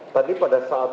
tadi pada saat